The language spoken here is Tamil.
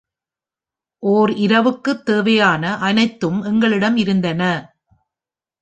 ஓர் இரவுக்குத் தேவையான அனைத்தும் எங்களிடம் இருந்தன.